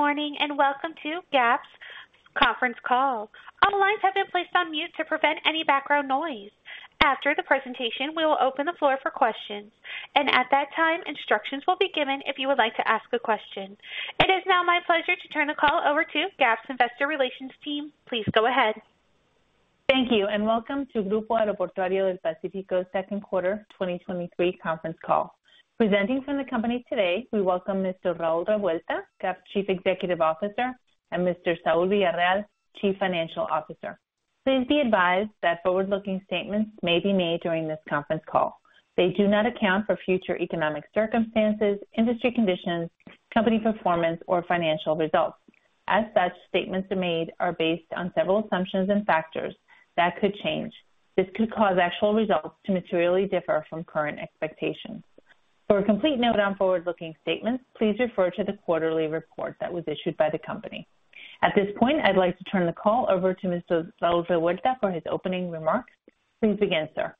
Good morning, and welcome to GAP's conference call. All lines have been placed on mute to prevent any background noise. After the presentation, we will open the floor for questions, and at that time, instructions will be given if you would like to ask a question. It is now my pleasure to turn the call over to GAP's Investor Relations team. Please go ahead. Thank you. Welcome to Grupo Aeroportuario del Pacífico's second quarter 2023 conference call. Presenting from the company today, we welcome Mr. Raúl Revuelta, GAP's Chief Executive Officer, and Mr. Saúl Villarreal, Chief Financial Officer. Please be advised that forward-looking statements may be made during this conference call. They do not account for future economic circumstances, industry conditions, company performance, or financial results. As such, statements made are based on a number of assumptions and factors that could change. This could cause actual results to materially differ from current expectations. For a complete note on forward-looking statements, please refer to the quarterly report that was issued by the company. At this point, I'd like to turn the call over to Mr. Raúl Revuelta for his opening remarks. Please begin, sir.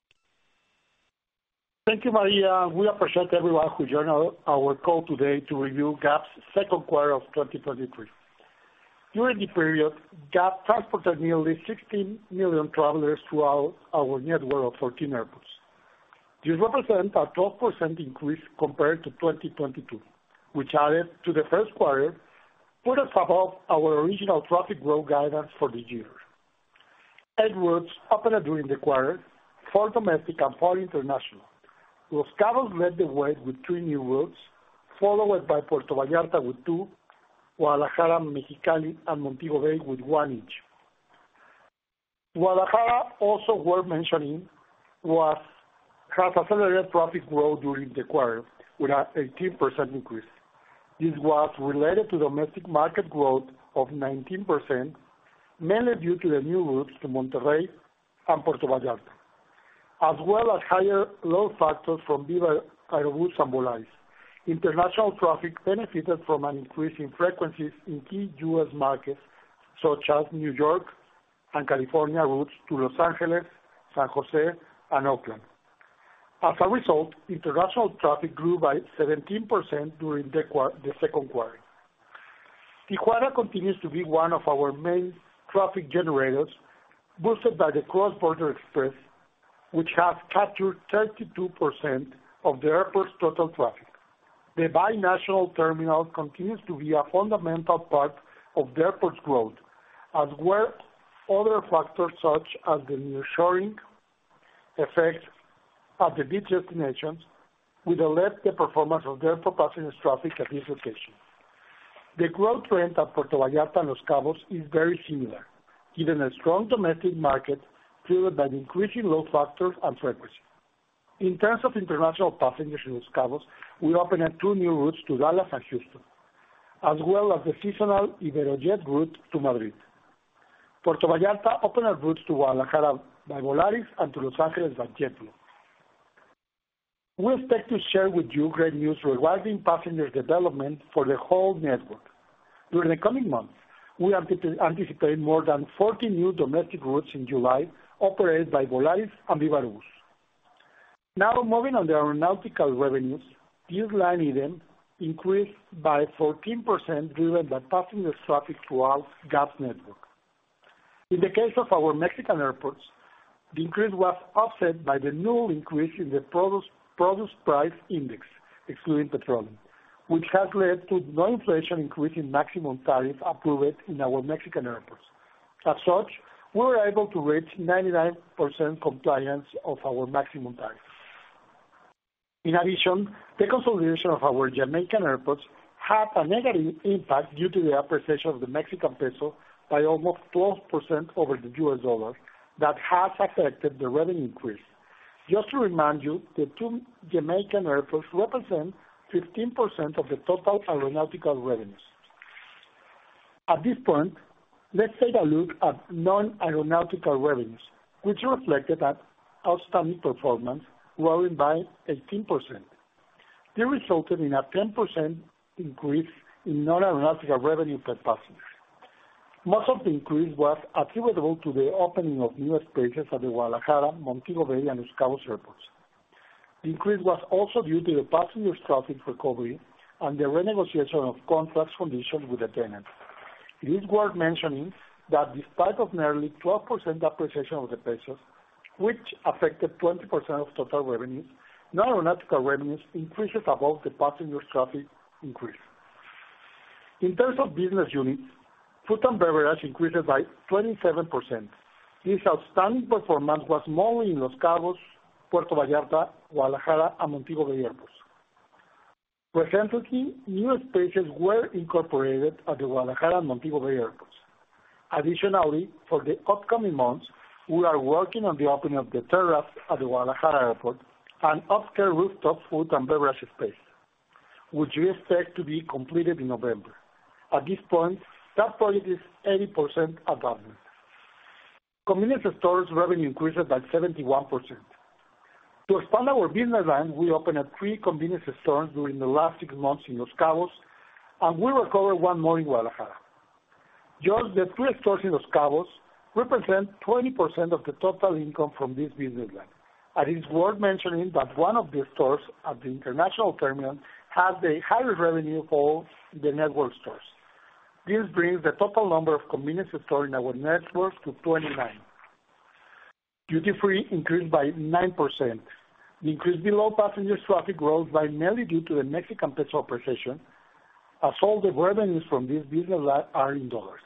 Thank you, Maria. We appreciate everyone who joined our call today to review GAP's second quarter of 2023. During the period, GAP transported nearly 16 million travelers throughout our network of 14 airports. This represent a 12% increase compared to 2022, which added to the first quarter, put us above our original traffic growth guidance for the year. 8 routes opened during the quarter, 4 domestic and 4 international. Los Cabos led the way with 3 new routes, followed by Puerto Vallarta with 2, Guadalajara, Mexicali, and Montego Bay with 1 each. Guadalajara also worth mentioning, has accelerated traffic growth during the quarter with an 18% increase. This was related to domestic market growth of 19%, mainly due to the new routes to Monterrey and Puerto Vallarta, as well as higher load factors from Viva Aerobus and Volaris. International traffic benefited from an increase in frequencies in key U.S. markets such as New York and California routes to Los Angeles, San Jose, and Oakland. As a result, international traffic grew by 17% during the second quarter. Tijuana continues to be one of our main traffic generators, boosted by the Cross Border Xpress, which has captured 32% of the airport's total traffic. The binational terminal continues to be a fundamental part of the airport's growth, as well other factors such as the nearshoring effect of the beach destinations, which alert the performance of their passenger traffic at this location. The growth trend at Puerto Vallarta and Los Cabos is very similar, given a strong domestic market fueled by the increasing load factors and frequency. In terms of international passengers in Los Cabos, we opened up 2 new routes to Dallas and Houston, as well as the seasonal Iberojet route to Madrid. Puerto Vallarta opened up routes to Guadalajara by Volaris and to Los Angeles by JetBlue. We expect to share with you great news regarding passenger development for the whole network. During the coming months, we are anticipating more than 40 new domestic routes in July, operated by Volaris and Viva Aerobus. Now, moving on to our aeronautical revenues, this line item increased by 14%, driven by passenger traffic throughout GAP's network. In the case of our Mexican airports, the increase was offset by the new increase in the produce price index, excluding petroleum, which has led to no inflation increase in maximum tariff approved in our Mexican airports. As such, we were able to reach 99% compliance of our maximum tariff. In addition, the consolidation of our Jamaican airports had a negative impact due to the appreciation of the Mexican peso by almost 12% over the US dollar, that has affected the revenue increase. Just to remind you, the two Jamaican airports represent 15% of the total aeronautical revenues. At this point, let's take a look at non-aeronautical revenues, which reflected an outstanding performance, growing by 18%. This resulted in a 10% increase in non-aeronautical revenue per passenger. Most of the increase was attributable to the opening of new spaces at the Guadalajara, Montego Bay, and Los Cabos airports. Increase was also due to the passenger traffic recovery and the renegotiation of contract conditions with the tenant. It is worth mentioning, that despite of nearly 12% appreciation of the pesos, which affected 20% of total revenues, non-aeronautical revenues increases above the passenger traffic increase. In terms of business units, food and beverage increases by 27%. This outstanding performance was mainly in Los Cabos, Puerto Vallarta, Guadalajara, and Montego Bay airports. Recently, new spaces were incorporated at the Guadalajara and Montego Bay airports. Additionally, for the upcoming months, we are working on the opening of the terrace at the Guadalajara Airport, an upscale rooftop food and beverage space, which we expect to be completed in November. At this point, that project is 80% advanced. Convenience stores revenue increases by 71%. To expand our business line, we opened up three convenience stores during the last six months in Los Cabos, and we will open one more in Guadalajara. Just the three stores in Los Cabos represent 20% of the total income from this business line, and it's worth mentioning that one of the stores at the international terminal has the highest revenue of all the network stores. This brings the total number of convenience stores in our network to 29. Duty-free increased by 9%. The increase below passenger traffic growth by mainly due to the Mexican peso appreciation, as all the revenues from this business line are in dollars.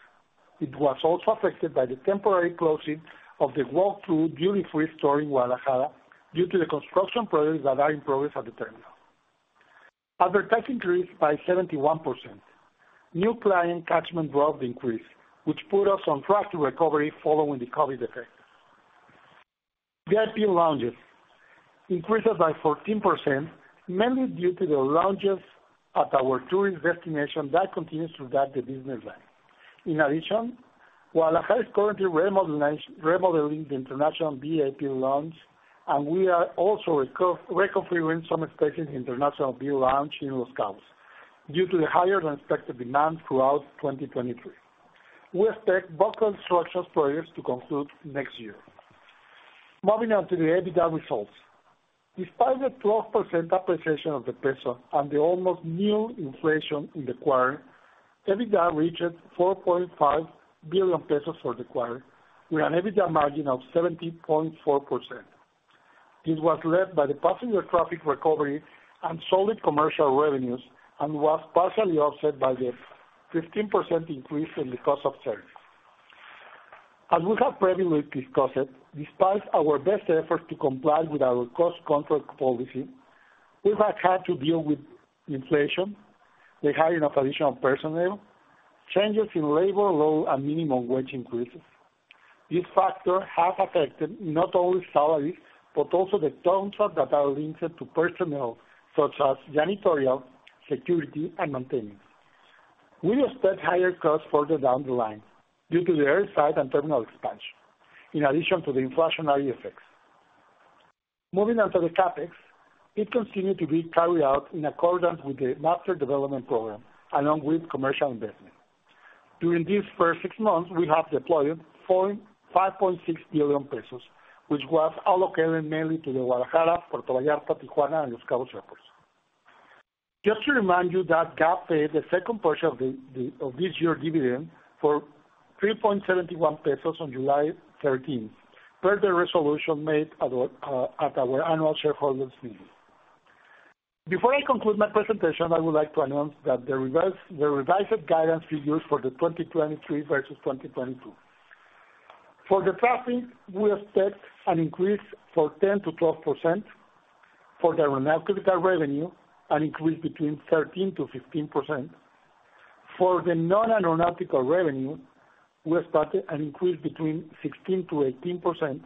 It was also affected by the temporary closing of the walk-through duty-free store in Guadalajara, due to the construction projects that are in progress at the terminal. Advertising increased by 71%. New client catchment drove the increase, which put us on track to recovery following the COVID effect. VIP lounges increases by 14%, mainly due to the lounges at our tourist destination that continues to drive the business line. While Guadalajara is currently remodeling the international VIP lounge, and we are also reconfiguring some expansion international V lounge in Los Cabos due to the higher than expected demand throughout 2023. We expect both construction projects to conclude next year. Moving on to the EBITDA results. Despite the 12% appreciation of the peso and the almost nil inflation in the quarter, EBITDA reached 4.5 billion pesos for the quarter, with an EBITDA margin of 17.4%. This was led by the passenger traffic recovery and solid commercial revenues, and was partially offset by the 15% increase in the cost of service. As we have previously discussed, despite our best efforts to comply with our cost control policy, we have had to deal with inflation, the hiring of additional personnel, changes in labor law, and minimum wage increases. This factor has affected not only salaries, but also the contracts that are linked to personnel such as janitorial, security, and maintenance. We expect higher costs further down the line due to the air side and terminal expansion, in addition to the inflationary effects. Moving on to the CapEx, it continued to be carried out in accordance with the Master Development Program, along with commercial investment. During these first six months, we have deployed 5.6 billion pesos, which was allocated mainly to the Guadalajara, Puerto Vallarta, Tijuana, and Los Cabos airports. Just to remind you that GAP paid the second portion of this year's dividend for 3.71 pesos on July 13th, per the resolution made at our annual shareholders meeting. Before I conclude my presentation, I would like to announce the revised guidance we use for 2023 versus 2022. For the traffic, we expect an increase for 10%-12%. For the aeronautical revenue, an increase between 13%-15%. For the non-aeronautical revenue, we expect an increase between 16%-18%.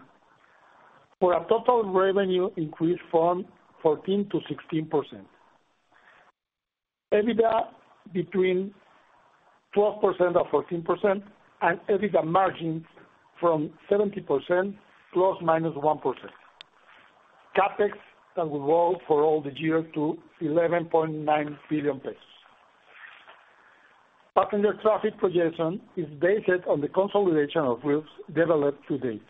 For a total revenue increase from 14%-16%. EBITDA between 12% and 14%, and EBITDA margins from 70% ±1%. CapEx that will grow for all the year to 11.9 billion pesos. Passenger traffic projection is based on the consolidation of routes developed to date.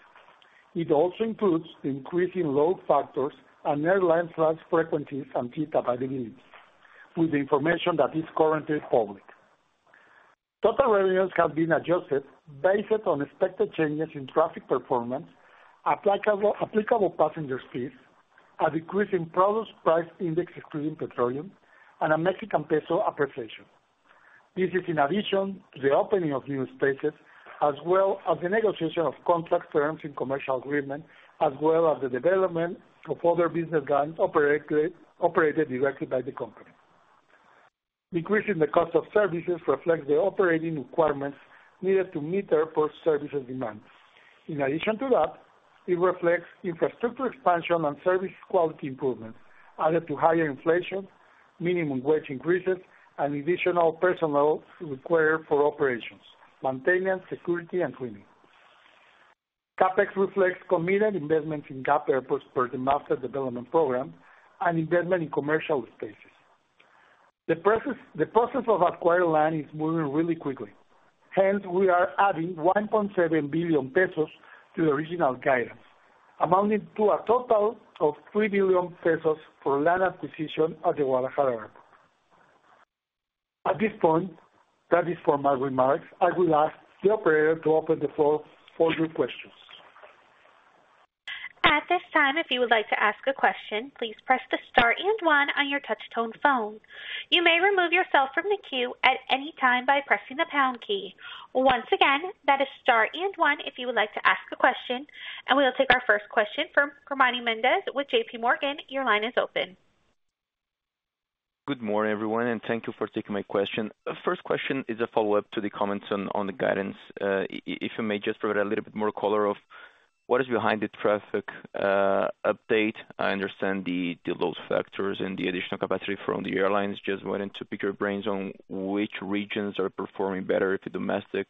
It also includes the increasing load factors and airline flights, frequencies, and seat availability, with the information that is currently public. Total revenues have been adjusted based on expected changes in traffic performance, applicable passenger fees, a decrease in Producer Price Index excluding petroleum, and a Mexican peso appreciation. This is in addition to the opening of new spaces, as well as the negotiation of contract terms and commercial agreement, as well as the development of other business lines operated directly by the company. Decrease in the cost of services reflects the operating requirements needed to meet airport services demands. In addition to that, it reflects infrastructure expansion and service quality improvements, added to higher inflation, minimum wage increases, and additional personnel required for operations, maintenance, security, and cleaning. CapEx reflects committed investments in GAP airports per the Master Development Program and investment in commercial spaces. The process of acquiring land is moving really quickly. Hence, we are adding 1.7 billion pesos to the original guidance, amounting to a total of 3 billion pesos for land acquisition at the Guadalajara airport. At this point, that is for my remarks. I will ask the operator to open the floor for your questions. At this time, if you would like to ask a question, please press the star and one on your touch tone phone. You may remove yourself from the queue at any time by pressing the pound key. Once again, that is star and one if you would like to ask a question, we will take our first question from Guilherme Mendes with JPMorgan. Your line is open. Good morning, everyone, thank you for taking my question. The first question is a follow-up to the comments on the guidance. If you may just provide a little bit more color of what is behind the traffic update. I understand the load factors and the additional capacity from the airlines. Just wanting to pick your brains on which regions are performing better, if domestic,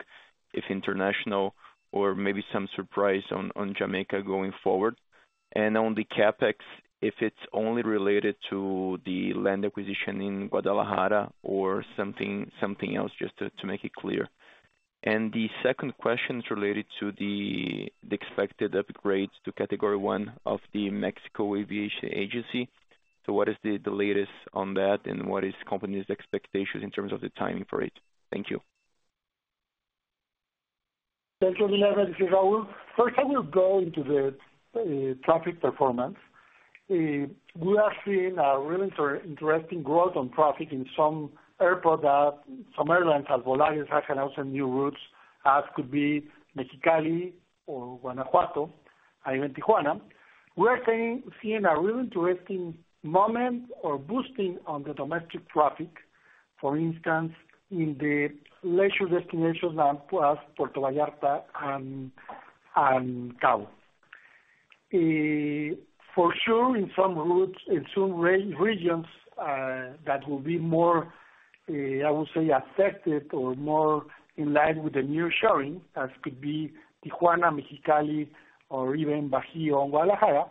if international, or maybe some surprise on Jamaica going forward? On the CapEx, if it's only related to the land acquisition in Guadalajara or something else, just to make it clear. The second question is related to the expected upgrades to Category 1 of the Mexico Aviation Agency. What is the latest on that? What is company's expectations in terms of the timing for it? Thank you. Thank you, Leonardo. This is Raúl. First, I will go into the traffic performance. We are seeing a really interesting growth on traffic in some airport that some airlines, as Volaris has announced some new routes, as could be Mexicali or Guanajuato, and even Tijuana. We are seeing a really interesting moment or boosting on the domestic traffic. For instance, in the leisure destination, like Plus, Puerto Vallarta, and Cabo. For sure, in some routes, in some regions, that will be more, I would say, affected or more in line with the nearshoring, as could be Tijuana, Mexicali, or even Bajio, Guadalajara.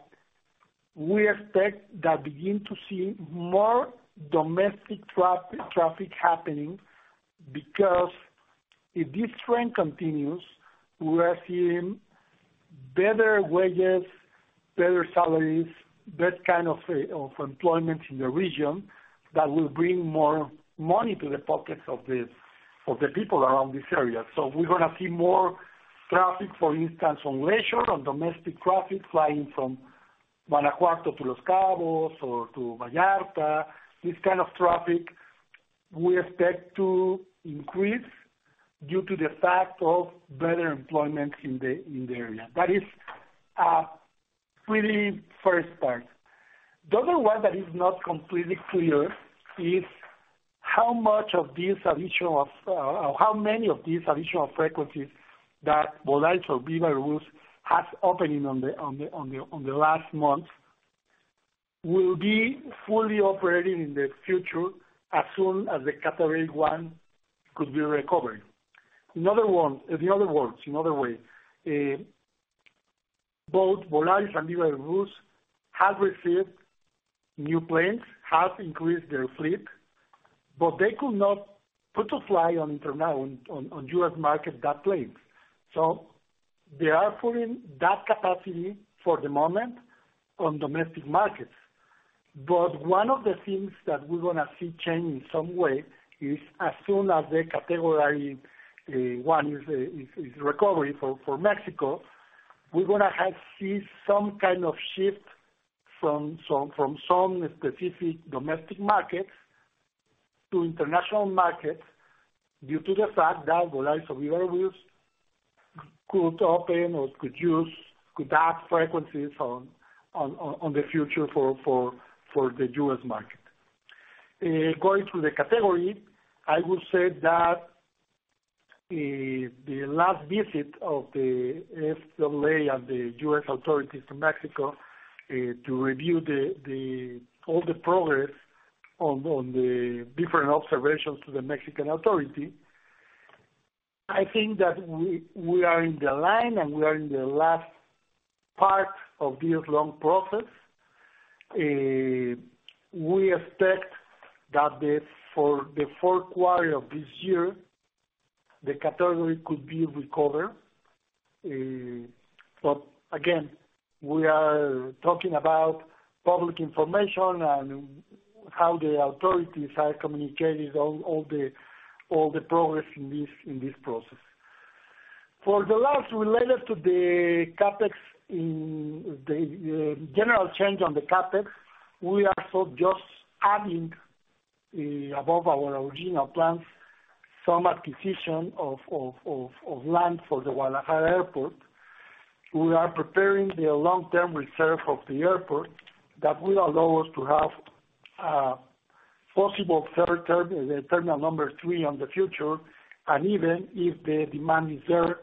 We expect that begin to see more domestic traffic happening, because if this trend continues, we are seeing better wages, better salaries, better kind of employment in the region that will bring more money to the pockets of the people around this area. We're gonna see more traffic, for instance, on leisure, on domestic traffic, flying from Guanajuato to Los Cabos or to Vallarta. This kind of traffic we expect to increase due to the fact of better employment in the area. That is really first part. The other one that is not completely clear is how much of these additional. How many of these additional frequencies that Volaris or Viva Aerobus has opening on the last month, will be fully operating in the future as soon as the Category 1 could be recovered? In other words, in other way, both Volaris and Viva Aerobus have received new planes, have increased their fleet, but they could not put a fly on international, on US market, that plane. They are putting that capacity for the moment on domestic markets. One of the things that we're gonna see change in some way is as soon as the Category 1 is recovered for Mexico, we're gonna have see some kind of shift from some specific domestic markets to international markets, due to the fact that Volaris or Viva Aerobus could open or could use, could add frequencies on the future for the U.S. market. Going to the category, I would say that the last visit of the FAA and the U.S. authorities to Mexico, to review the all the progress on the different observations to the Mexican authority, I think that we are in the line, and we are in the last part of this long process. We expect that for the fourth quarter of this year, the category could be recovered. Again, we are talking about public information and how the authorities have communicated all the progress in this process. Related to the CapEx, in the general change on the CapEx, we are so just adding above our original plans, some acquisition of land for the Guadalajara airport. We are preparing the long-term reserve of the airport that will allow us to have possible third terminal number three on the future, and even if the demand is there,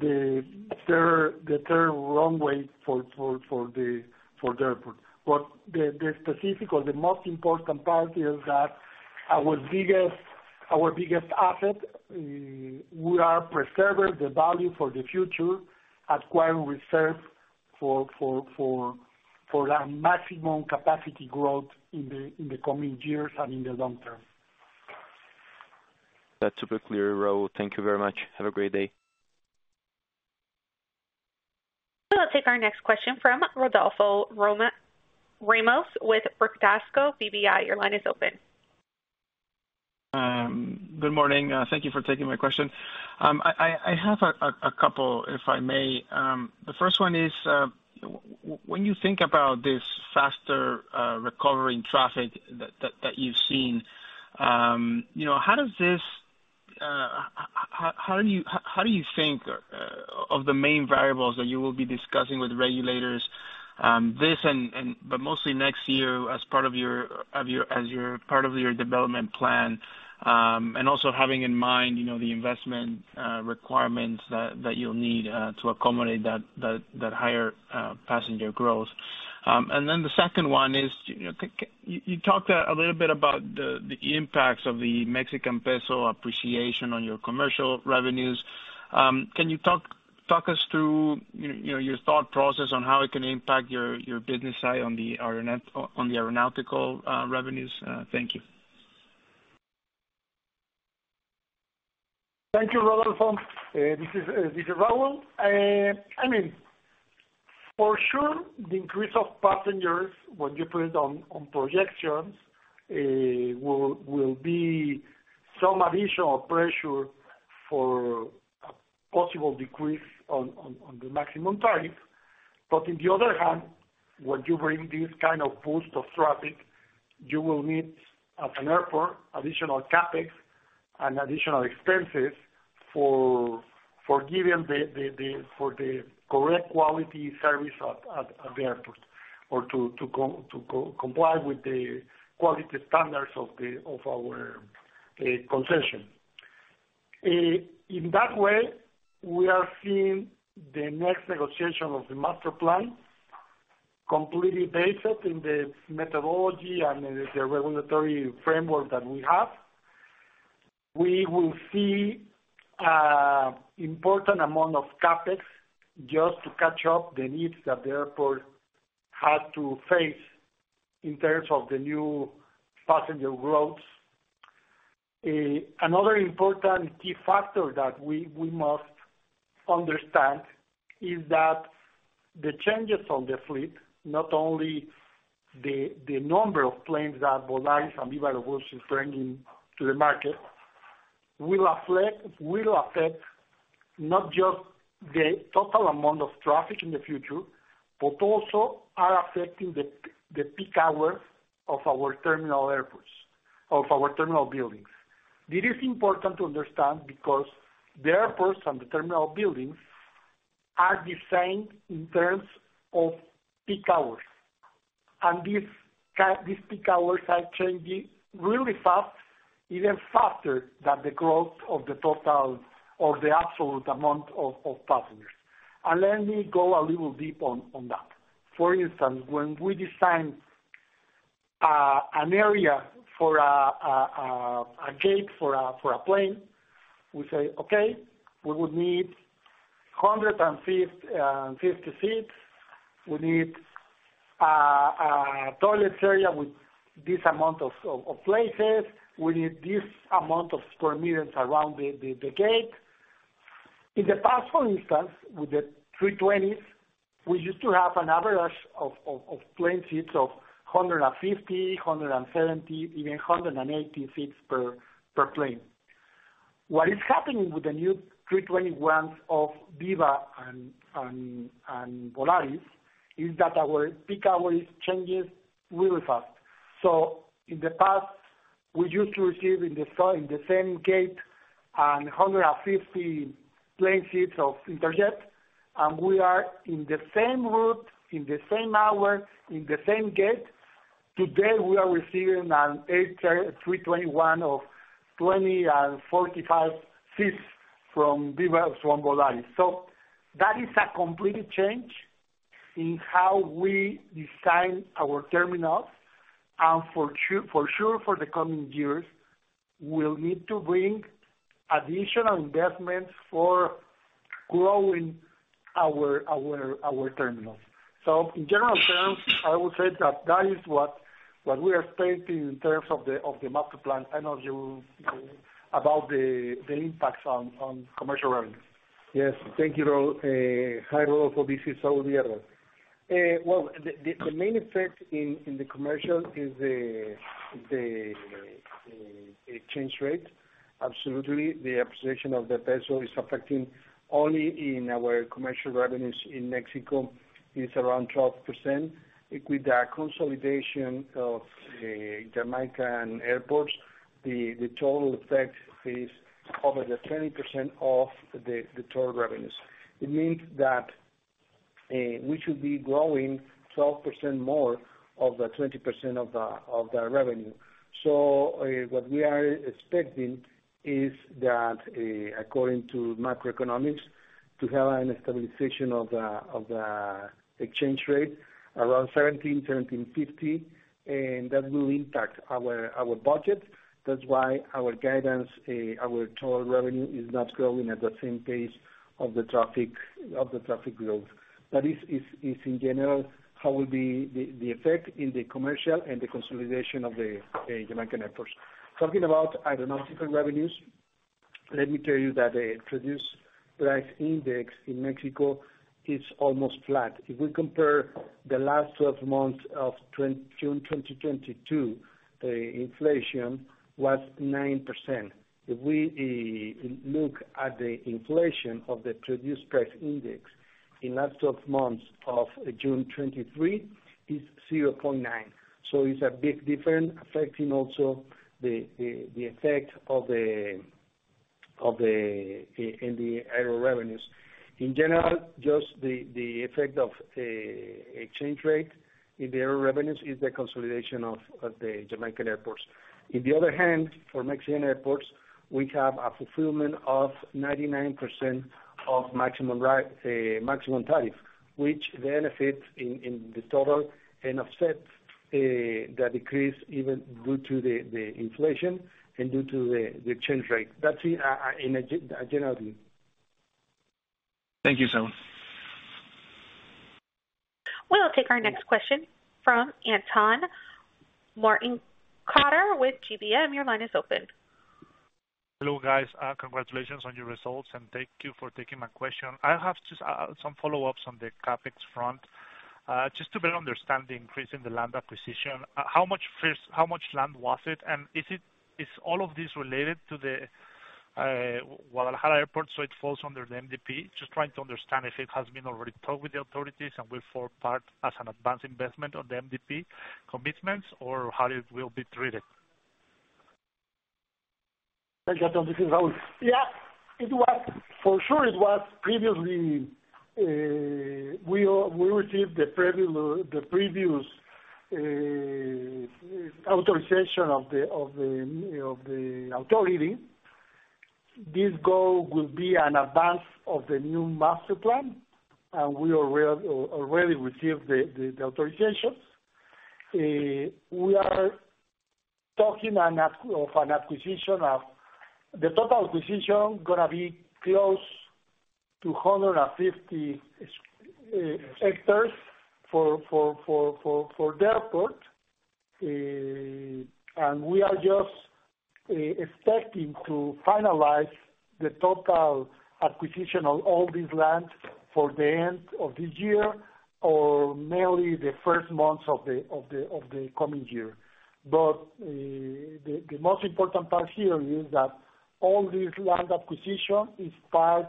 the third runway for the airport. The specific or the most important part is that our biggest asset, we are preserving the value for the future, acquiring reserve for the maximum capacity growth in the coming years and in the long term. That's super clear, Raul. Thank you very much. Have a great day. We'll take our next question from Rodolfo Ramos with Bradesco BBI. Your line is open. Good morning. Thank you for taking my question. I have a couple, if I may. The first one is, when you think about this faster recovery in traffic that you've seen, you know, how do you think of the main variables that you will be discussing with regulators, this mostly next year, as part of your development plan? And also having in mind, you know, the investment requirements that you'll need to accommodate that higher passenger growth. The second one is, you know, you talked about the impacts of the Mexican peso appreciation on your commercial revenues. Can you talk us through, you know, your thought process on how it can impact your business side on the aeronautical revenues? Thank you. Thank you, Rodolfo. This is Villarreal. I mean, for sure, the increase of passengers when you put it on projections, will be some additional pressure for a possible decrease on the maximum tariff. On the other hand, when you bring this kind of boost of traffic, you will need, at an airport, additional CapEx and additional expenses for giving the correct quality service at the airport, or to comply with the quality standards of our concession. In that way, we are seeing the next negotiation of the Master Plan completely based in the methodology and the regulatory framework that we have. We will see important amount of CapEx just to catch up the needs that the airport had to face in terms of the new passenger growth. Another important key factor that we must understand is that the changes on the fleet, not only the number of planes that Volaris and Viva Aerobus is bringing to the market, will affect not just the total amount of traffic in the future, but also are affecting the peak hours of our terminal airports, of our terminal buildings. This is important to understand because the airports and the terminal buildings are designed in terms of peak hours, and these peak hours are changing really fast, even faster than the growth of the total or the absolute amount of passengers. Let me go a little deep on that. For instance, when we design an area for a gate for a plane, we say: Okay, we would need 150 seats. We need a toilets area with this amount of places. We need this amount of square meters around the gate. In the past, for instance, with the A320s, we used to have an average of plane seats of 150, 170, even 180 seats per plane. What is happening with the new A321s of Viva and Volaris, is that our peak hours changes really fast. In the past, we used to receive in the same gate, 150 plane seats of Interjet, and we are in the same route, in the same hour, in the same gate. Today, we are receiving an A321 of 20 and 45 seats from Viva, from Volaris. That is a complete change in how we design our terminals, and for sure, for the coming years, we'll need to bring additional investments for growing our terminals. In general terms, I would say that that is what we are expecting in terms of the, of the Master Plan, I know you about the impacts on commercial revenues. Yes. Thank you, Raúl. Hi, Rodolfo Ramos. This is Raúl Revuelta. Well, the main effect in the commercial is the exchange rate. Absolutely, the appreciation of the peso is affecting only in our commercial revenues in Mexico, it's around 12%. With the consolidation of Jamaican airports, the total effect is over 20% of the total revenues. It means that we should be growing 12% more of the 20% of the revenue. What we are expecting is that, according to macroeconomics, to have a stabilization of the exchange rate around 17-17.50, and that will impact our budget. That's why our guidance, our total revenue is not growing at the same pace of the traffic growth. That is in general, how will be the effect in the commercial and the consolidation of the Jamaican airports. Talking about aeronautical revenues, let me tell you that the Producer Price Index in Mexico is almost flat. If we compare the last 12 months of June 2022, the inflation was 9%. If we look at the inflation of the Producer Price Index in last 12 months of June 2023, it's 0.9%. It's a big difference, affecting also the effect of the aero revenues. In general, just the effect of exchange rate in the aero revenues is the consolidation of the Jamaican airports. In the other hand, for Mexican airports, we have a fulfillment of 99% of maximum tariff, which benefits in the total and offsets the decrease even due to the inflation and due to the exchange rate. That's it, generally. Thank you, Saúl. We will take our next question from Anton Martin-Coter with GBM. Your line is open. Hello, guys. congratulations on your results, thank you for taking my question. I have just, some follow-ups on the CapEx front. just to better understand the increase in the land acquisition, how much first, how much land was it? Is all of this related to the Guadalajara airport, so it falls under the MDP? Just trying to understand if it has been already talked with the authorities and will form part as an advanced investment on the MDP commitments, or how it will be treated? Hi, Anton, this is Raúl. For sure, it was previously, we received the previous authorization of the authority. This goal will be an advance of the new Master Plan, and we already received the authorizations. We are talking of an acquisition of the total acquisition gonna be close to 150 hectares for the airport. And we are just expecting to finalize the total acquisition of all these lands for the end of this year or merely the first months of the coming year. The most important part here is that all this land acquisition is part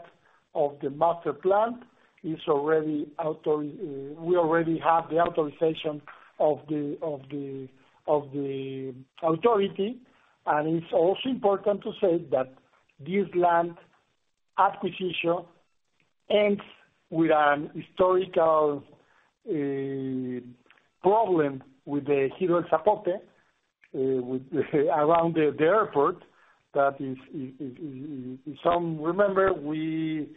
of the Master Plan. We already have the authorization of the authority. It's also important to say that this land acquisition ends with an historical problem with the Ejido El Zapote, with around the airport. That is, some remember we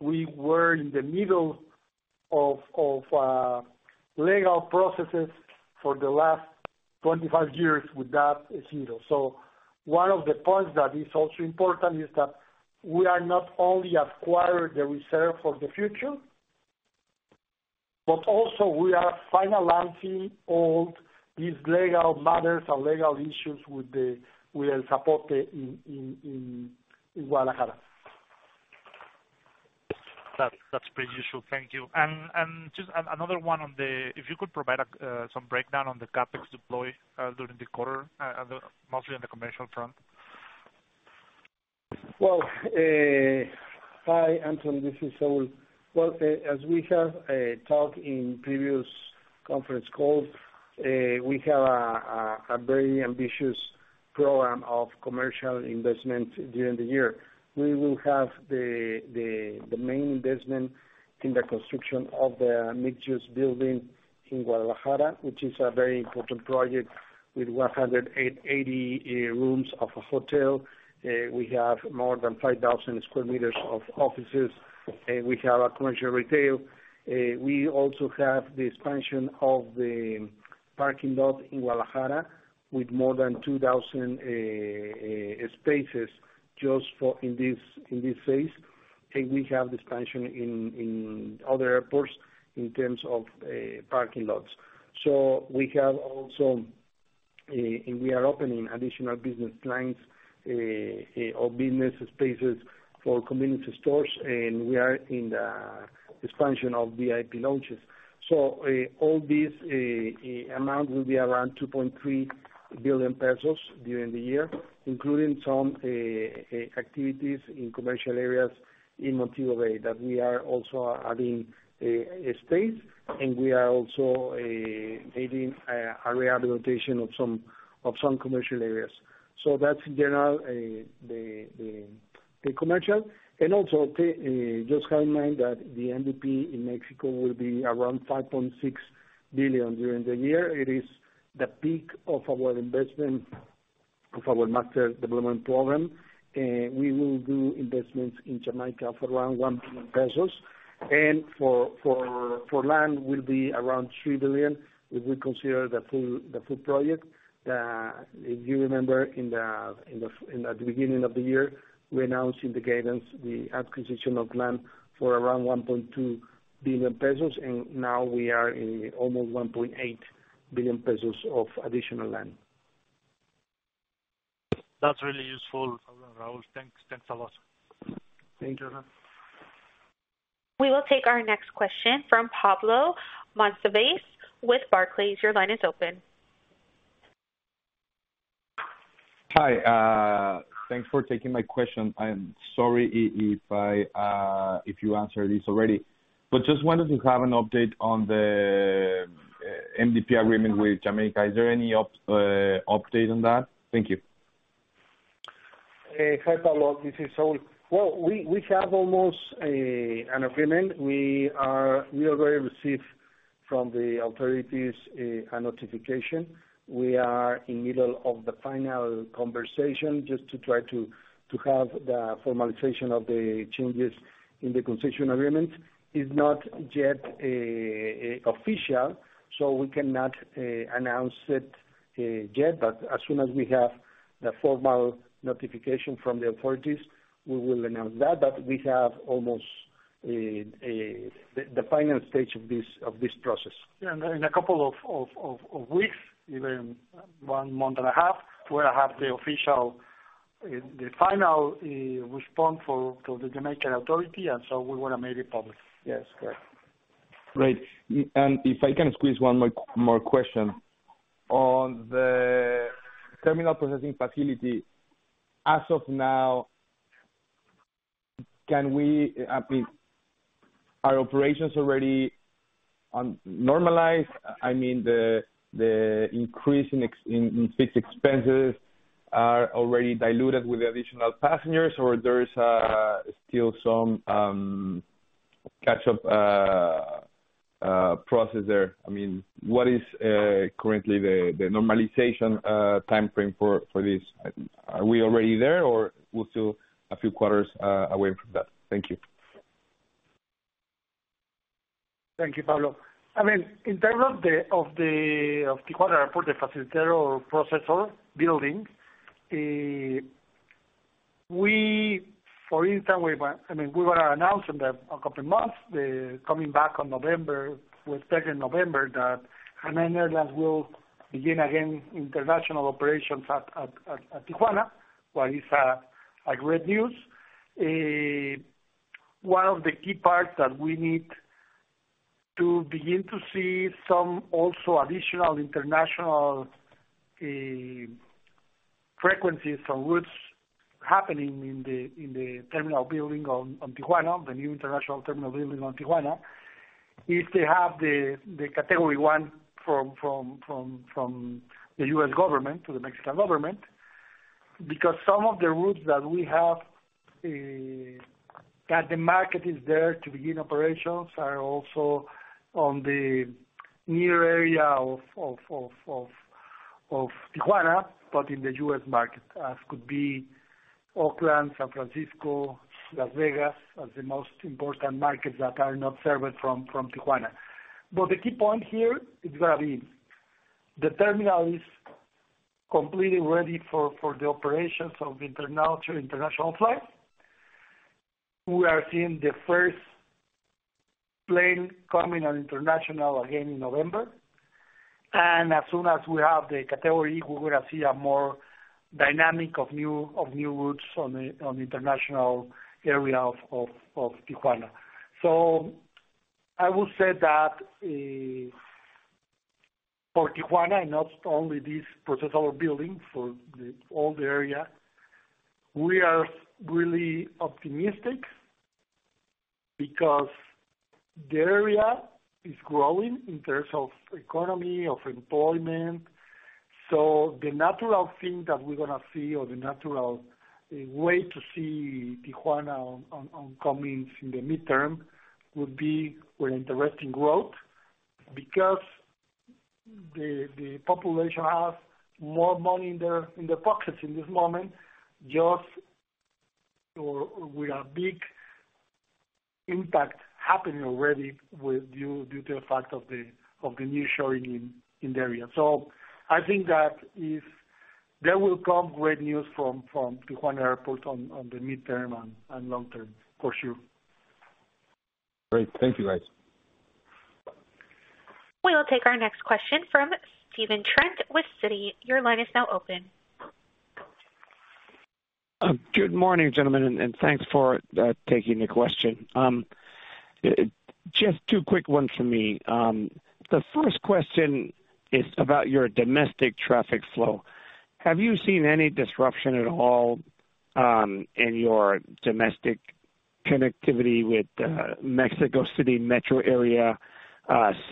were in the middle of legal processes for the last 25 years with that issue. One of the points that is also important is that we are not only acquire the reserve for the future, but also we are finalizing all these legal matters and legal issues with El Zapote in Guadalajara. That's pretty useful. Thank you. Just another one. If you could provide some breakdown on the CapEx deploy during the quarter, mostly on the commercial front? Well, hi, Anton, this is Raúl.. Well, as we have talked in previous conference calls, we have a very ambitious program of commercial investment during the year. We will have the main investment in the construction of the mixed-use building in Guadalajara, which is a very important project with 180 rooms of a hotel. We have more than 5,000 sq m of offices, we have a commercial retail. We also have the expansion of the parking lot in Guadalajara, with more than 2,000 spaces just for in this phase. We have expansion in other airports in terms of parking lots. We have also, and we are opening additional business lines, or business spaces for convenience stores, and we are in the expansion of VIP lounges. All these amount will be around 2.3 billion pesos during the year, including some activities in commercial areas in Montego Bay in that we are also adding space, and we are also adding a rehabilitation of some, of some commercial areas. That's general the commercial. Also, just bear in mind that the MDP in Mexico will be around 5.6 billion during the year. It is the peak of our investment, of our Master Development Program, and we will do investments in Jamaica for around 1 billion pesos. For land will be around 3 billion, if we consider the full project. If you remember, in the beginning of the year, we announced in the guidance the acquisition of land for around 1.2 billion pesos, and now we are in almost 1.8 billion pesos of additional land. That's really useful, Raúl. Thanks. Thanks a lot. Thank you. We will take our next question from Pablo Monsivais with Barclays. Your line is open. Hi. Thanks for taking my question. I am sorry if I, if you answered this already. Just wanted to have an update on the MDP agreement with Jamaica. Is there any update on that? Thank you. Hi, Pablo, this is Saúl. We have almost an agreement. We are going to receive from the authorities a notification. We are in middle of the final conversation just to try to have the formalization of the changes in the concession agreement. It's not yet a official, so we cannot announce it yet. As soon as we have the formal notification from the authorities, we will announce that. We have almost the final stage of this process. Yeah, in a couple of weeks, even one month and a half, we'll have the official, the final, response from the Jamaican Authority, we wanna make it public. Yes, correct. Great. If I can squeeze one more question. On the terminal processing facility, as of now, can we please, are operations already on normalized? I mean, the increase in fixed expenses are already diluted with the additional passengers, or there is still some catch up process there? I mean, what is currently the normalization timeframe for this? Are we already there, or we're still a few quarters away from that? Thank you. Thank you, Pablo. I mean, in terms of the, of the, of Tijuana airport, the Terminal Processing Facility process or building, we, for instance, I mean, we were announcing that a couple of months, coming back on November, we in November, that many airlines will begin again international operations at Tijuana. Well, it's a great news. One of the key parts that we need to begin to see some also additional international frequencies on routes happening in the, in the terminal building on Tijuana, the new international terminal building on Tijuana, is to have the Category 1 from the U.S. government to the Mexican government. Some of the routes that we have, that the market is there to begin operations, are also on the near area of Tijuana, but in the U.S. market, as could be Oakland, San Francisco, Las Vegas, as the most important markets that are not served from Tijuana. The key point here is gonna be, the terminal is completely ready for the operations of international flights. We are seeing the first plane coming on international again in November. As soon as we have the category, we're gonna see a more dynamic of new routes on the international area of Tijuana. I will say that for Tijuana, and not only this process or building, for the all the area, we are really optimistic because the area is growing in terms of economy, of employment. The natural thing that we're gonna see, or the natural way to see Tijuana on coming in the midterm, would be with interesting growth because the population has more money in their, in their pockets in this moment, just, or with a big impact happening already with due to the fact of the, of the nearshoring in the area. I think that if there will come great news from Tijuana Airport on the midterm and long term, for sure. Great. Thank you, guys. We will take our next question from Stephen Trent with Citi. Your line is now open. Good morning, gentlemen. Thanks for taking the question. Just two quick ones from me. The first question is about your domestic traffic flow. Have you seen any disruption at all in your domestic connectivity with Mexico City metro area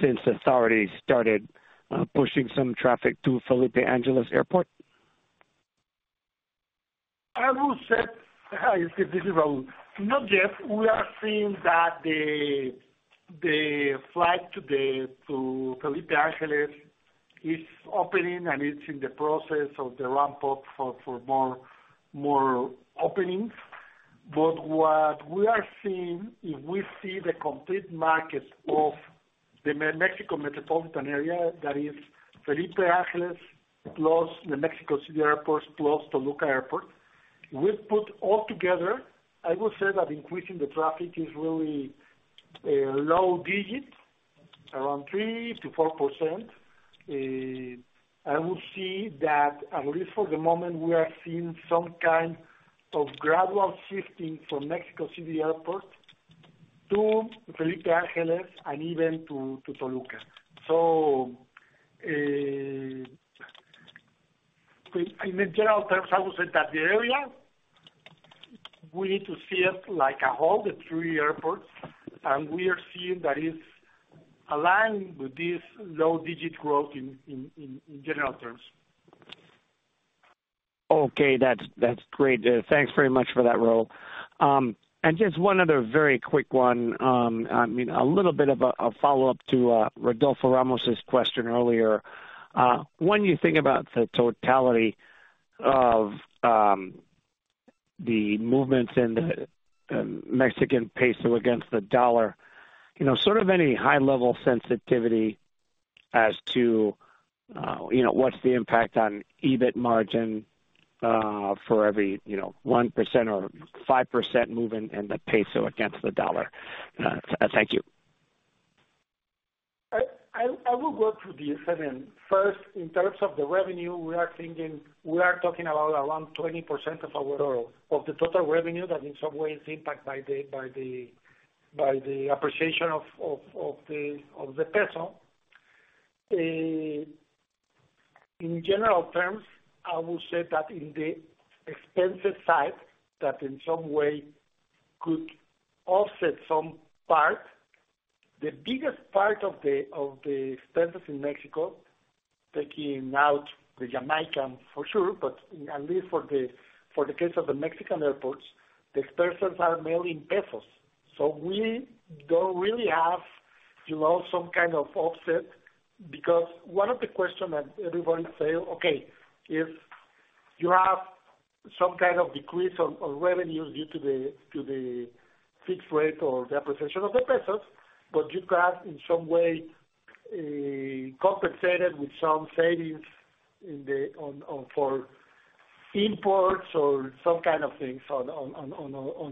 since authorities started pushing some traffic to Felipe Angeles Airport? I would say, this is Raul. Not yet. We are seeing that the flight to Felipe Ángeles is opening, and it's in the process of the ramp up for more openings. What we are seeing, if we see the complete market of the Mexico metropolitan area, that is Felipe Ángeles, plus the Mexico City Airport, plus Toluca Airport, we put all together, I would say that increasing the traffic is really a low digit, around 3%-4%. I would say that, at least for the moment, we are seeing some kind of gradual shifting from Mexico City Airport to Felipe Ángeles and even to Toluca. In general terms, I would say that the area, we need to see it like a whole, the three airports, and we are seeing that it's aligned with this low digit growth in general terms. Okay, that's great. Thanks very much for that, Raul. Just one other very quick one. A little bit of a follow-up to Rodolfo Ramos's question earlier. When you think about the totality of the movements in the Mexican peso against the US dollar, sort of any high level sensitivity as to what's the impact on EBIT margin for every 1% or 5% movement in the peso against the US dollar? Thank you. I will go through this. First, in terms of the revenue, we are thinking, we are talking about around 20% of the total revenue that in some way is impacted by the appreciation of the peso. In general terms, I will say that in the expensive side, that in some way could offset some part. The biggest part of the expenses in Mexico, taking out the Jamaican for sure, for the case of the Mexican airports, the expenses are mainly in pesos. We don't really have, you know, some kind of offset, because one of the questions that everybody say, Okay, if you have some kind of decrease on revenues due to the fixed rate or the appreciation of the pesos, but you got in some way compensated with some savings in the, on for imports or some kind of things on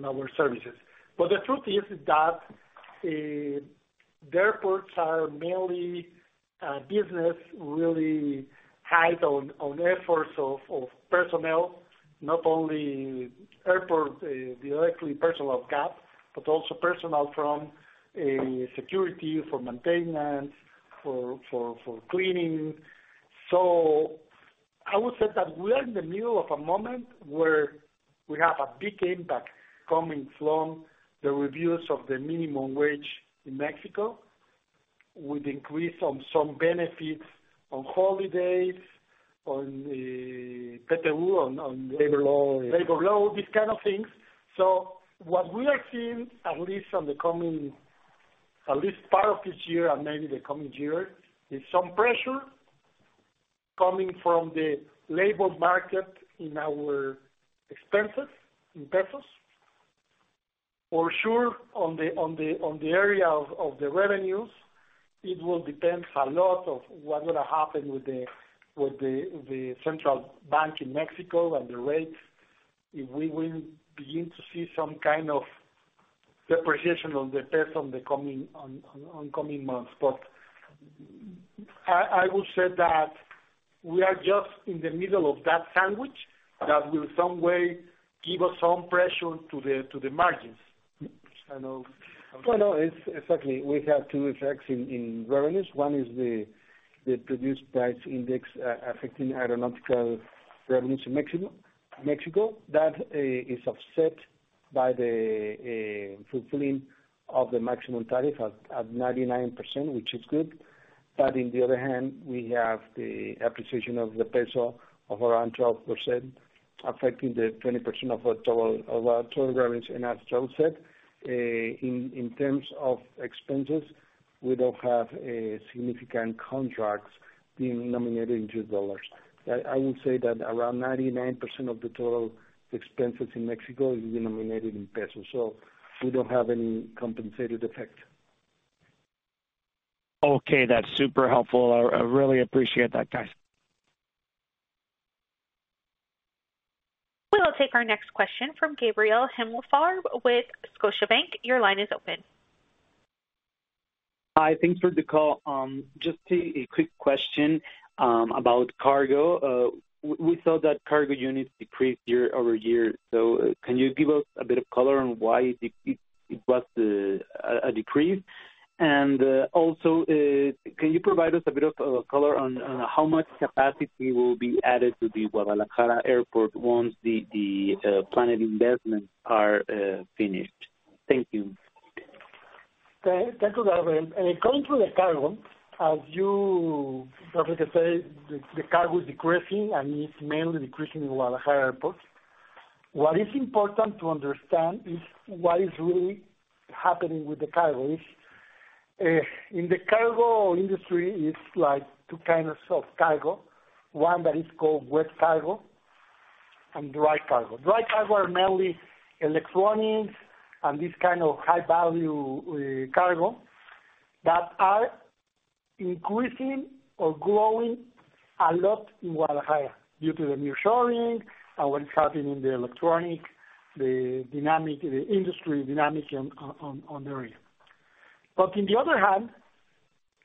our services. The truth is that the airports are mainly business really high on efforts of personnel, not only airport directly personal GAP, but also personnel from security, for maintenance, for cleaning. I would say that we are in the middle of a moment where we have a big impact coming from the reviews of the minimum wage in Mexico, with increase on some benefits, on holidays, on the PTU, on labor law, these kind of things. What we are seeing, at least on the coming, at least part of this year and maybe the coming year, is some pressure coming from the labor market in our expenses, in MXN. For sure, on the area of the revenues, it will depend a lot of what will happen with the central bank in Mexico and the rates. If we will begin to see some kind of depreciation of the MXN on the coming months. I will say that we are just in the middle of that sandwich, that will some way give us some pressure to the, to the margins. It's exactly. We have two effects in revenues. One is the Producer Price Index affecting aeronautical revenues in Mexico. is offset by the fulfilling of the maximum tariff at 99%, which is good. We have the appreciation of the peso of around 12%, affecting the 20% of our total revenues. As Saul Villarreal said, in terms of expenses, we don't have a significant contracts being nominated into dollars. I will say that around 99% of the total expenses in Mexico is nominated in pesos, we don't have any compensated effect. Okay, that's super helpful. I really appreciate that, guys. We will take our next question from Gabriel Himelfarb with Scotiabank. Your line is open. Hi, thanks for the call. Just a quick question about cargo. We saw that cargo units decreased year-over-year, so can you give us a bit of color on why it was a decrease? Also, can you provide us a bit of color on how much capacity will be added to the Guadalajara Airport once the planned investments are finished? Thank you. Thank you, Gabriel. Coming to the cargo, as you perfectly said, the cargo is decreasing, and it's mainly decreasing in Guadalajara Airport. What is important to understand is what is really happening with the cargo, is in the cargo industry, it's like two kinds of cargo. One that is called wet cargo and dry cargo. Dry cargo are mainly electronics and this kind of high-value cargo that are increasing or growing a lot in Guadalajara due to the nearshoring, our traffic in the electronic, the dynamic, the industry dynamics on the area. But on the other hand,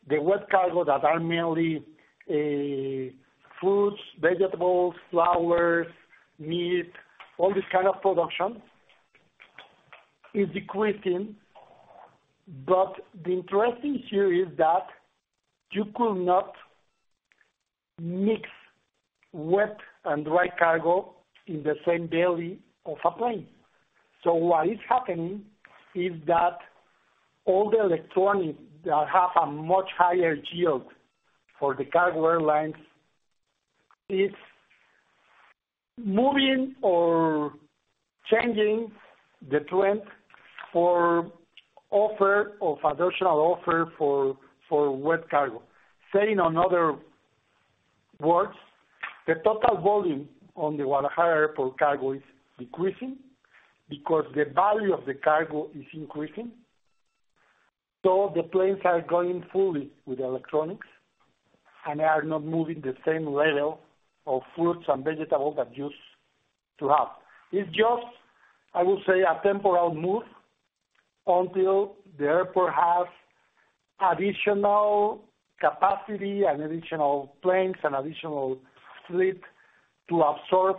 the wet cargo that are mainly fruits, vegetables, flowers, meat, all this kind of production is decreasing, but the interesting here is that you could not mix wet and dry cargo in the same belly of a plane. What is happening is that all the electronics that have a much higher yield for the cargo airlines is moving or changing the trend for offer of additional offer for wet cargo. Saying on other words, the total volume on the Guadalajara Airport cargo is increasing because the value of the cargo is increasing. The planes are going fully with electronics, and they are not moving the same level of fruits and vegetables that used to have. It's just, I would say, a temporal move until the airport has additional capacity and additional planes and additional fleet to absorb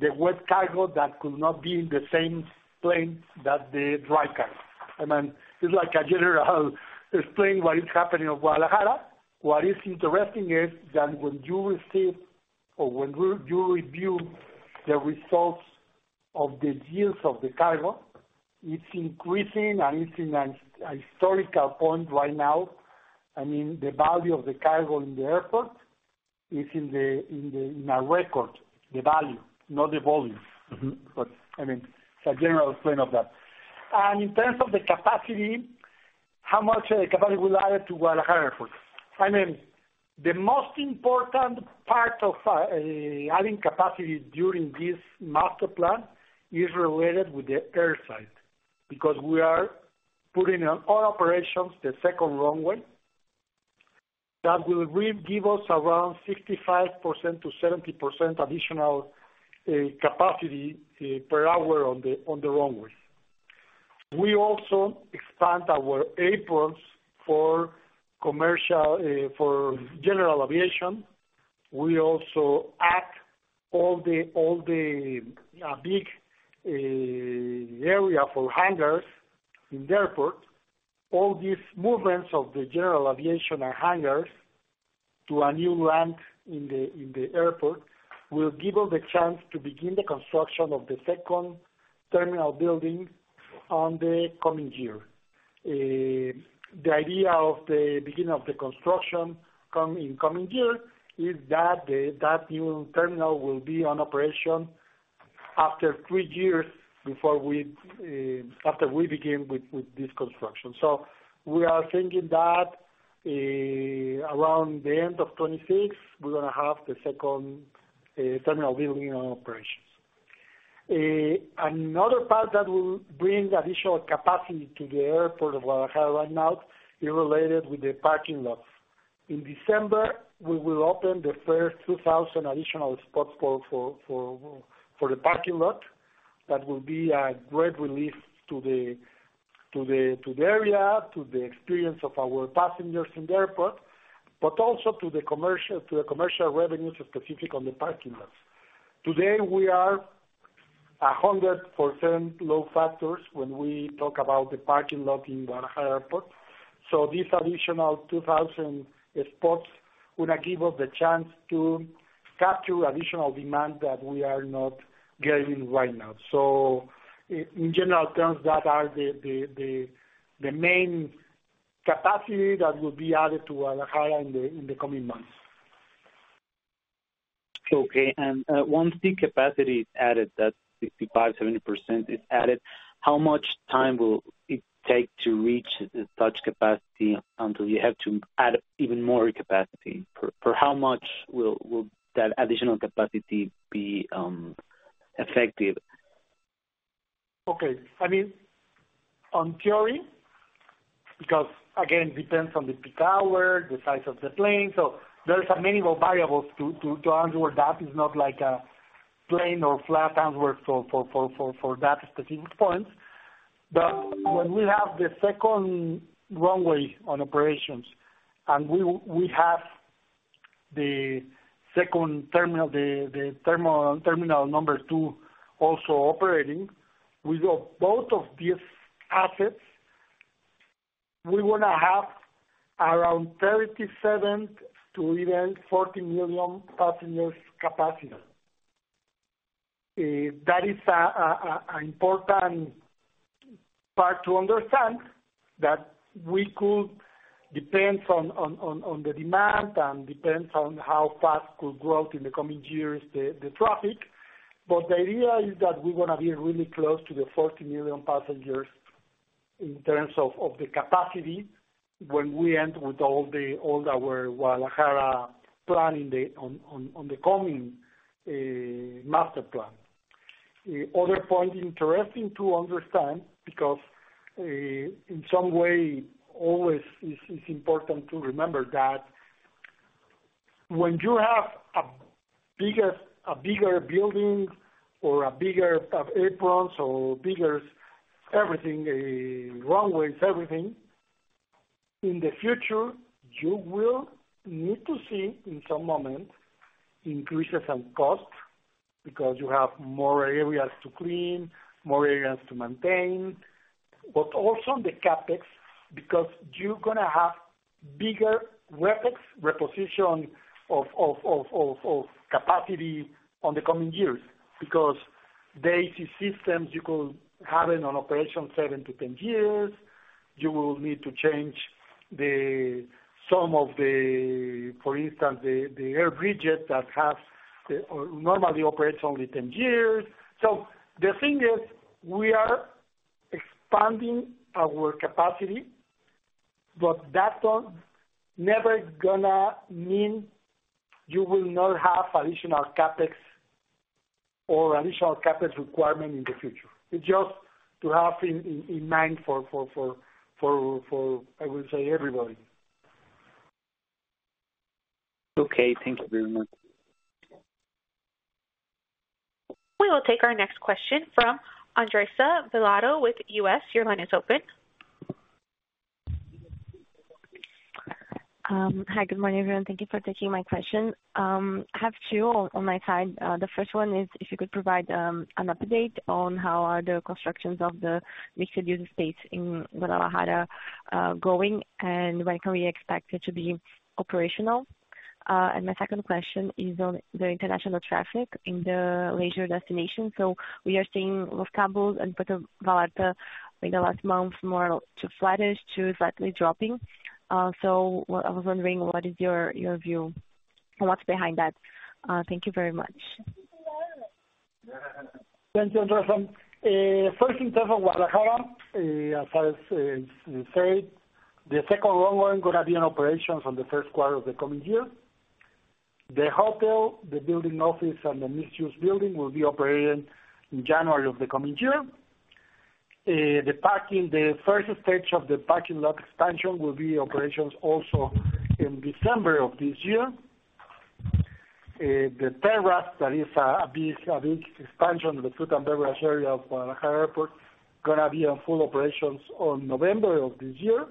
the wet cargo that could not be in the same plane that the dry cargo. I mean, it's like a general explain what is happening in Guadalajara. What is interesting is that when you review the results of the yields of the cargo, it's increasing and it's in a historical point right now. I mean, the value of the cargo in the airport is in the, in a record, the value, not the volume. I mean, it's a general explain of that. And in terms of the capacity, how much capacity we added to Guadalajara Airport? I mean, the most important part of adding capacity during this master plan is related with the air side, because we are putting on all operations the second runway. That will give us around 65%-70% additional capacity per hour on the runways. We also expand our aprons for commercial, for general aviation. We also add all the, all the big area for hangars in the airport. All these movements of the general aviation and hangars to a new land in the airport, will give us the chance to begin the construction of the second terminal building on the coming year. The idea of the beginning of the construction come in coming year is that the new terminal will be on operation after three years, before we, after we begin with this construction. We are thinking that, around the end of 2026, we're gonna have the second terminal building on operations. Another part that will bring additional capacity to the airport of Guadalajara right now is related with the parking lot. In December, we will open the first 2,000 additional spots for the parking lot. That will be a great relief to the area, to the experience of our passengers in the airport, but also to the commercial revenues, specific on the parking lots. Today, we are 100% low factors when we talk about the parking lot in Guadalajara Airport. This additional 2,000 spots would give us the chance to capture additional demand that we are not getting right now. In general terms, that are the main capacity that will be added to Guadalajara in the coming months. Okay. Once the capacity is added, that 65%-70% is added, how much time will it take to reach such capacity until you have to add even more capacity? For how much will that additional capacity be effective? Okay. I mean, on theory, because, again, it depends on the peak hour, the size of the plane, so there are many more variables to answer that. It's not like a plane or flat answer for that specific point. But when we have the second runway on operations and we have the second terminal, the terminal number two also operating, with both of these assets, we wanna have around 37-40 million passengers capacity. Eh, that is an important part to understand, that we could depends on the demand and depends on how fast could grow in the coming years, the traffic. The idea is that we wanna be really close to the 40 million passengers in terms of the capacity when we end with all the, all our Guadalajara plan in the on the coming master plan. The other point interesting to understand, because, in some way always is important to remember, that when you have a bigger building or a bigger aprons or bigger everything, runways, in the future, you will need to see, in some moment, increases on cost because you have more areas to clean, more areas to maintain, but also the CapEx, because you're gonna have bigger reposition of capacity on the coming years. The AT systems you could have it on operation 7-10 years, you will need to change some of the, for instance, the air bridges that have, normally operates only 10 years. The thing is, we are expanding our capacity, but that one never gonna mean you will not have additional CapEx or additional CapEx requirement in the future. It's just to have in mind for, I would say, everybody. Okay, thank you very much. We will take our next question from Andressa Varotto with UBS. Your line is open. Hi, good morning, everyone. Thank you for taking my question. I have two on my side. The first one is if you could provide an update on how are the constructions of the mixed-use space in Guadalajara going, and when can we expect it to be operational? My second question is on the international traffic in the leisure destination. we are seeing with and Puerto Vallarta in the last month, more to flattish to slightly dropping. I was wondering, what is your view, and what's behind that? Thank you very much. Thank you, Andressa. 1st, in terms of Guadalajara, as far as you say, the 2nd runway gonna be on operations on the 1st quarter of the coming year. The hotel, the building office, and the mixed-use building will be operating in January of the coming year. The parking, the 1st stage of the parking lot expansion will be operations also in December of this year. The terrace, that is, a big expansion of the food and beverage area of Guadalajara Airport, gonna be on full operations on November of this year.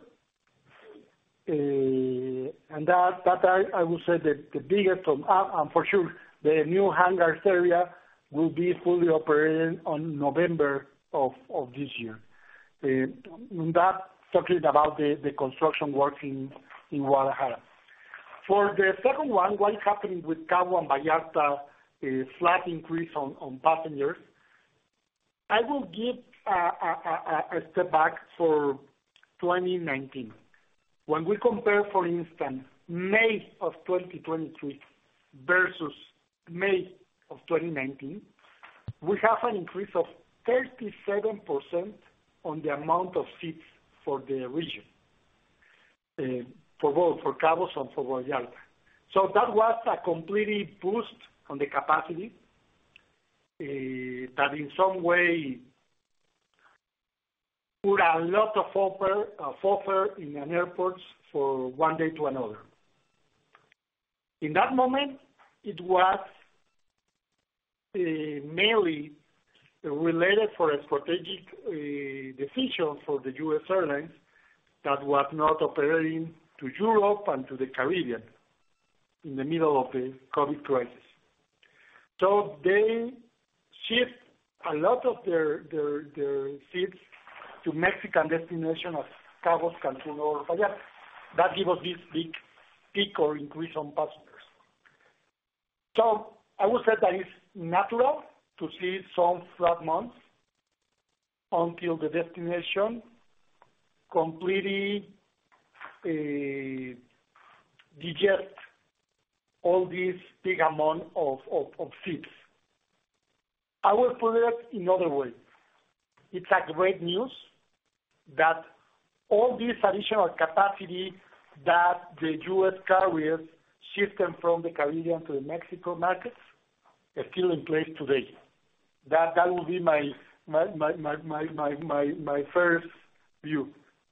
That I would say the biggest one. For sure, the new hangars area will be fully operating on November of this year. That talking about the construction work in Guadalajara. For the second one, what is happening with Cabo and Vallarta, a slight increase on passengers. I will give a step back for 2019. When we compare, for instance, May of 2023 versus May of 2019, we have an increase of 37% on the amount of seats for the region, for both, for Cabos and for Vallarta. That was a completely boost on the capacity that in some way put a lot of offer in an airports for one day to another. In that moment, it was mainly related for a strategic decision for the U.S. airlines that was not operating to Europe and to the Caribbean in the middle of the COVID crisis. They shift a lot of their seats to Mexican destination of Cabos, Cancun, or Vallarta. That give us this big peak or increase on passengers. I would say that it's natural to see some flat months until the destination completely digest all this big amount of seats. I will put it in other way. It's a great news that all this additional capacity that the U.S. carriers shifted from the Caribbean to the Mexico markets are still in place today. That would be my first view.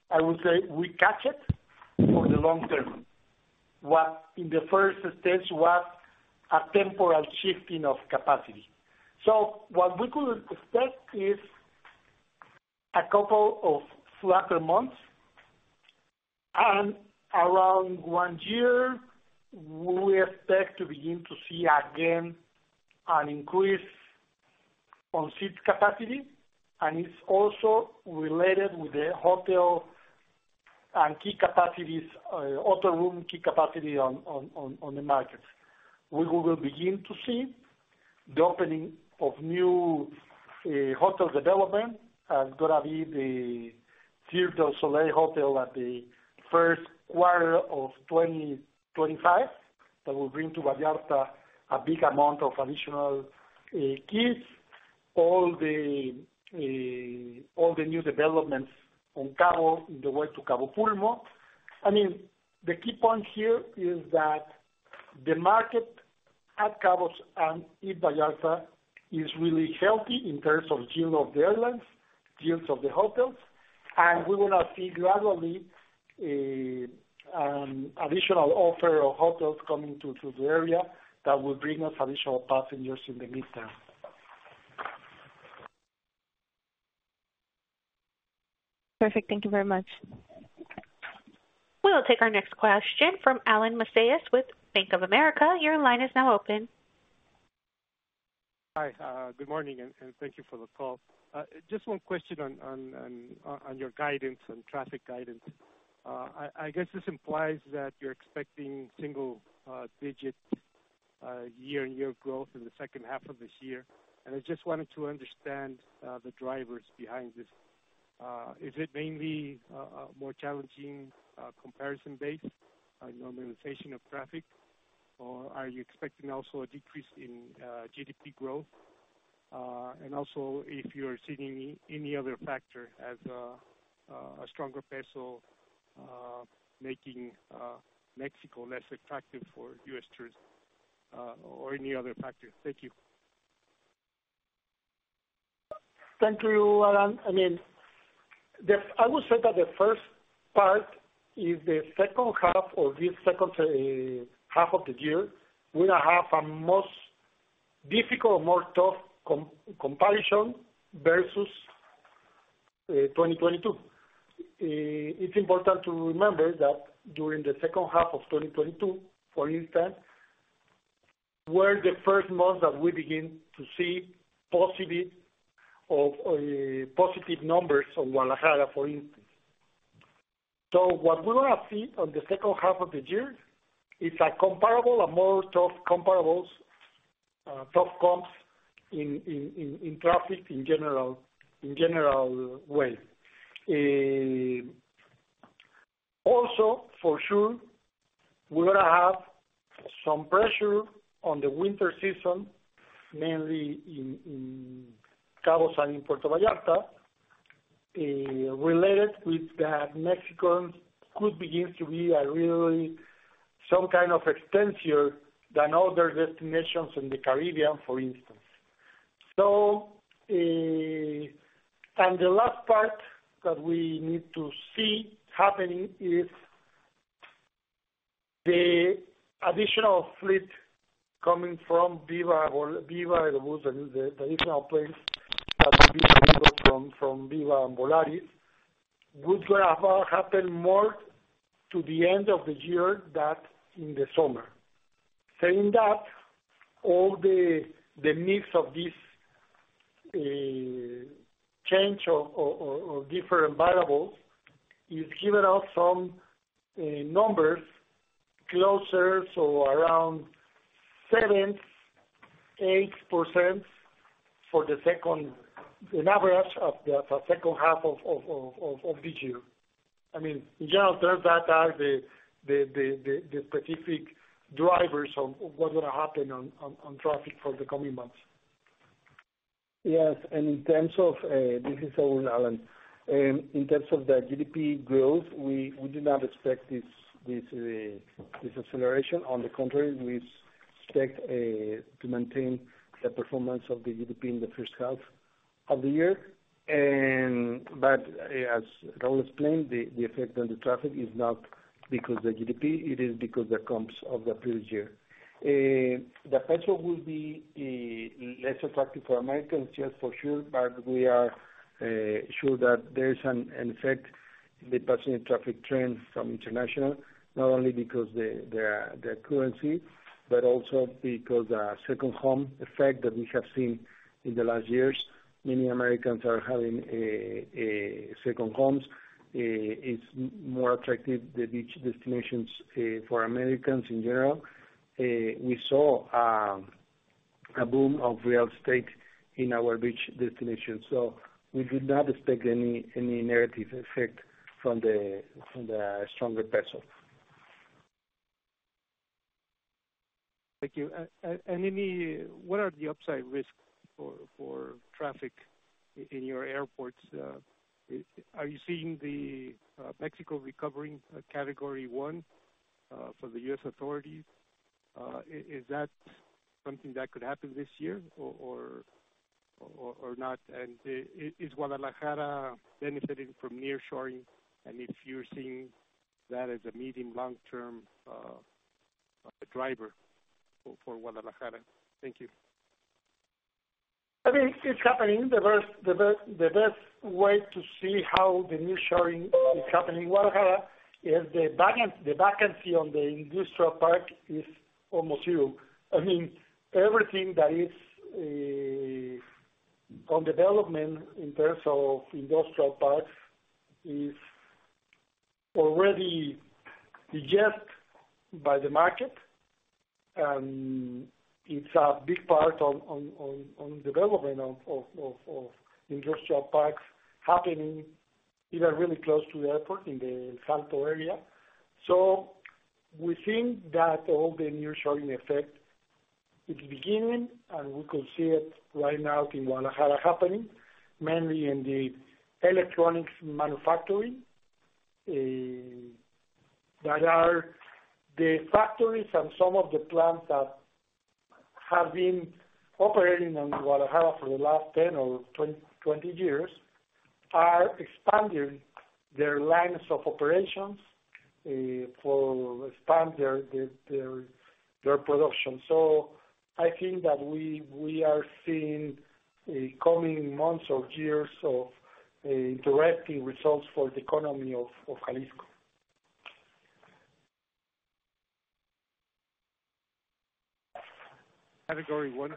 I would say we catch it for the long term. What in the first stage was a temporal shifting of capacity. What we could expect is a couple of flatter months, and around one year, we expect to begin to see again an increase on seat capacity, and it's also related with the hotel and key capacities, auto room, key capacity on the markets. We will begin to see the opening of new hotel development, and gonna be the Cirque du Soleil hotel at the first quarter of 2025. That will bring to Vallarta a big amount of additional keys. All the new developments on Cabo, in the way to Cabo Pulmo. I mean, the key point here is that the market at Cabos and in Vallarta is really healthy in terms of yield of the airlines, yields of the hotels, and we will now see gradually additional offer of hotels coming to the area that will bring us additional passengers in the mid term. Perfect. Thank you very much. We'll take our next question from Alain Macias with Bank of America. Your line is now open. Hi, good morning, and thank you for the call. Just one question on your guidance, on traffic guidance. I guess this implies that you're expecting single-digit year-over-year growth in the second half of this year, and I just wanted to understand the drivers behind this. Is it mainly a more challenging comparison base, normalization of traffic? Are you expecting also a decrease in GDP growth? Also if you're seeing any other factor as a stronger Mexican peso, making Mexico less attractive for U.S. tourists, or any other factors? Thank you. Thank you, Alan. I mean, I would say that the first part is the second half of this second half of the year, we're gonna have a most difficult, more tough comparison versus 2022. It's important to remember that during the second half of 2022, for instance, were the first months that we begin to see positive numbers of Guadalajara, for instance. What we are gonna see on the second half of the year is a comparable, a more tough comparables, tough comps in traffic, in general way. Also, for sure, we're gonna have some pressure on the winter season, mainly in Cabos and in Puerto Vallarta, related with the Mexicans could begin to be a really some kind of extension than other destinations in the Caribbean, for instance. The last part that we need to see happening is the additional fleet coming from Viva, it was the additional planes that will be from Viva and Volaris, which gonna happen more to the end of the year than in the summer. Saying that, all the mix of this change of different variables, is giving us some numbers closer, so around 7%-8% for the second, an average of the second half of this year. I mean, in general, there that are the specific drivers of what will happen on traffic for the coming months. Yes, in terms of, this is Raúl, Alan. In terms of the GDP growth, we do not expect this acceleration. On the contrary, we expect to maintain the performance of the GDP in the first half of the year. As Raúl explained, the effect on the traffic is not because the GDP, it is because the comps of the previous year. The peso will be less attractive for Americans, yes, for sure, but we are sure that there is an effect in the passenger traffic trends from international, not only because the currency, but also because the second home effect that we have seen in the last years. Many Americans are having a second homes. It's more attractive, the beach destinations, for Americans in general. We saw a boom of real estate in our beach destinations. We do not expect any narrative effect from the, from the stronger peso. Thank you. What are the upside risks for traffic in your airports? Are you seeing Mexico recovering Category 1 for the U.S. authorities? Is that something that could happen this year or not? Is Guadalajara benefiting from nearshoring? If you're seeing that as a medium, long-term driver for Guadalajara? Thank you. I mean, it's happening. The first, the best way to see how the nearshoring is happening in Guadalajara, is the vacancy on the industrial park is almost 0. I mean, everything that is on development in terms of industrial parks, is already digest by the market, and it's a big part on development of industrial parks happening even really close to the airport in the El Salto area. We think that all the nearshoring effect is beginning, and we could see it right now in Guadalajara happening, mainly in the electronics manufacturing. That are the factories and some of the plants that have been operating in Guadalajara for the last 10 or 20 years are expanding their lines of operations for expand their production. I think that we are seeing a coming months or years of directing results for the economy of Jalisco. Category 1?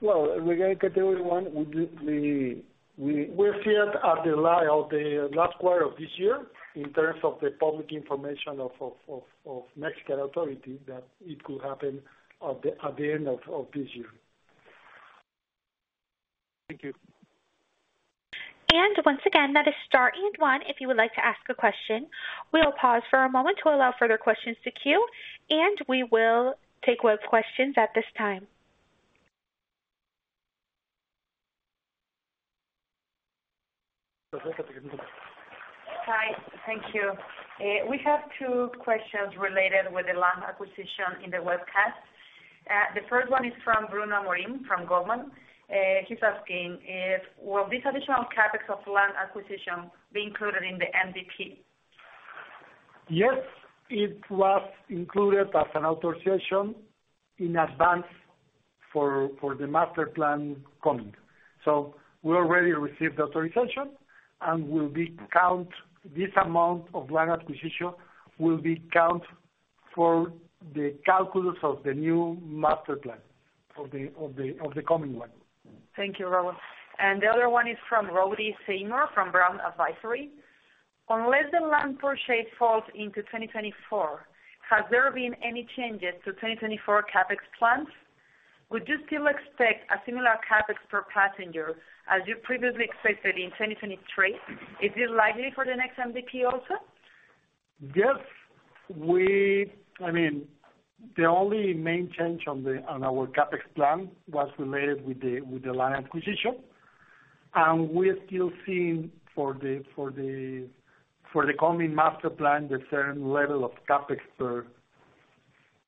Well, regarding Category 1, we're still at the last quarter of this year in terms of the public information of Mexican authority, that it could happen at the end of this year. Thank you. Once again, that is star and 1 if you would like to ask a question. We will pause for a moment to allow further questions to queue. We will take more questions at this time. Hi, thank you. We have two questions related with the land acquisition in the webcast. The first one is from Bruno Amorim, from Goldman. He's asking if, will this additional CapEx of land acquisition be included in the MDP? Yes, it was included as an authorization in advance for the Master Plan coming. We already received authorization, and this amount of land acquisition will be count for the calculus of the new Master Plan, of the coming one. Thank you, Raúl. The other one is from Roddy Seymour-Williams, from Brown Advisory. Unless the land purchase falls into 2024, has there been any changes to 2024 CapEx plans? Would you still expect a similar CapEx per passenger as you previously expected in 2023? Is it likely for the next MDP also? Yes, I mean, the only main change on our CapEx plan was related with the land acquisition. We are still seeing for the coming master plan, the same level of CapEx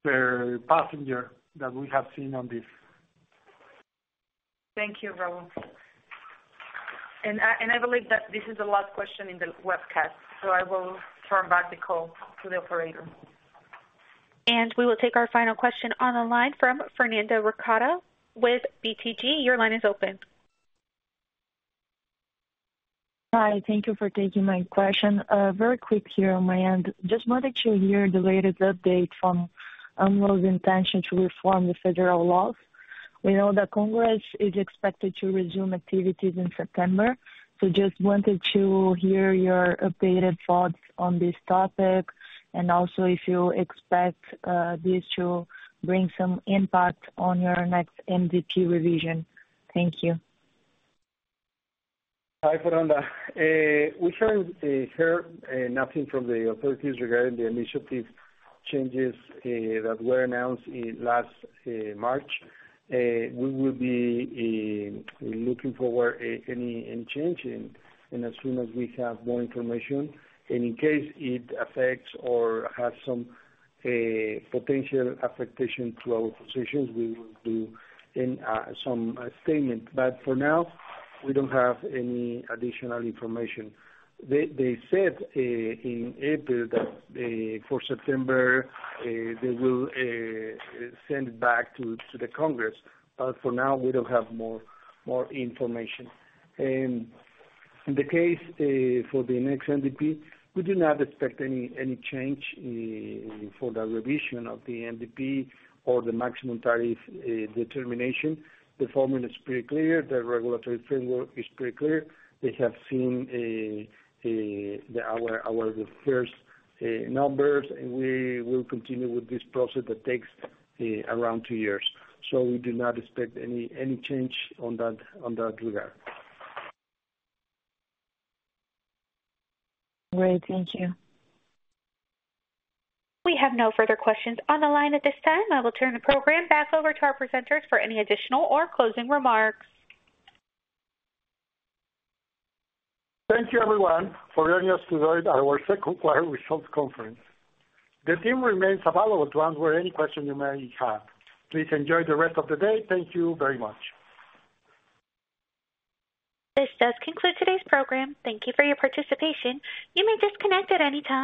per passenger that we have seen on this. Thank you, Raúl. I believe that this is the last question in the webcast, so I will turn back the call to the operator. We will take our final question on the line from Fernanda Recchia with BTG. Your line is open. Hi, thank you for taking my question. Very quick here on my end. Just wanted to hear the latest update from AMLO's intention to reform the federal laws. We know that Congress is expected to resume activities in September, so just wanted to hear your updated thoughts on this topic, and also if you expect this to bring some impact on your next MDP revision? Thank you. Hi, Fernando. We haven't heard nothing from the authorities regarding the initiative changes that were announced in last March. We will be looking forward any change, and as soon as we have more information, and in case it affects or has some potential affectation to our positions, we will do in some statement. For now, we don't have any additional information. They said in April that for September, they will send back to the Congress. For now, we don't have more information. In the case for the next MDP, we do not expect any change for the revision of the MDP or the maximum tariff determination. The formula is pretty clear, the regulatory framework is pretty clear. They have seen the, our first numbers. We will continue with this process that takes around 2 years. We do not expect any change on that regard. Great, thank you. We have no further questions on the line at this time. I will turn the program back over to our presenters for any additional or closing remarks. Thank you, everyone, for joining us today at our second quarter results conference. The team remains available to answer any questions you may have. Please enjoy the rest of the day. Thank you very much. This does conclude today's program. Thank you for your participation. You may disconnect at any time.